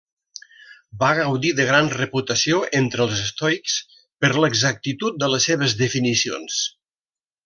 Va gaudir de gran reputació entre els estoics per l'exactitud de les seves definicions.